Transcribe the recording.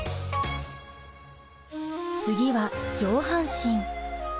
次は上半身。